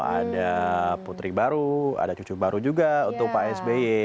ada putri baru ada cucu baru juga untuk pak sby